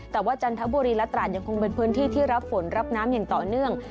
แต่ว่าจันทบุรีและตราดยังคงเป็นพื้นที่ที่รับฝนรับน้ำอย่างต่อเนื่อง